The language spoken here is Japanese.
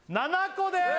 ７個です